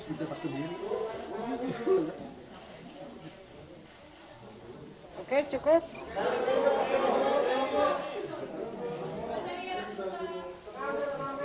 habis angkat kembar